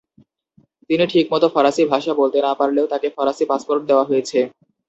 তিনি ঠিকমত ফরাসি ভাষা বলতে না পারলেও তাকে ফরাসি পাসপোর্ট দেওয়া হয়েছে।